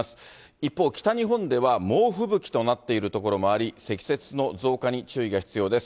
一方、北日本では猛吹雪となっている所もあり、積雪の増加に注意が必要です。